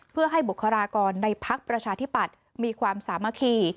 เพื่อให้บุคลากรในพักประชาธิปัตย์มีความสามัคคี